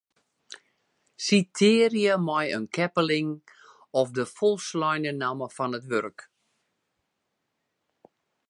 Sitearje mei in keppeling of de folsleine namme fan it wurk.